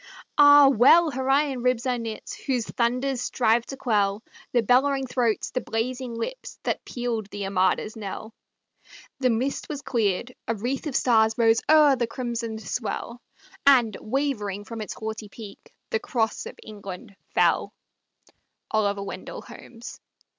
Ah, well her iron ribs are knit, Whose thunders strive to quell The bellowing throats, the blazing lips, That pealed the Armada's knell! The mist was cleared, a wreath of stars Rose o'er the crimsoned swell, And, wavering from its haughty peak, The cross of England fell! Holmes.